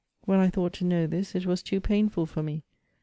When I thought to know this, it was too painful for me.